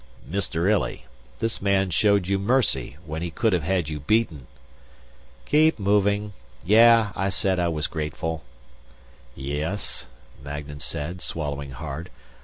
"Mr. Illy, this man showed you mercy when he could have had you beaten." "Keep moving. Yeah, I said I was grateful." "Yes," Magnan said, swallowing hard.